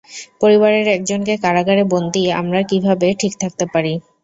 পরিবারের একজনকে কারাগারে বন্দী আমরা কিভাবে ঠিক থাকতে পারি?